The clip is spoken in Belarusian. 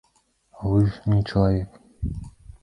Вы ж не чалавек!